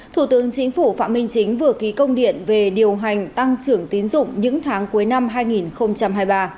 thủ tướng chính phủ phạm minh chính vừa ký công điện về điều hành tăng trưởng tín dụng những tháng cuối năm hai nghìn hai mươi ba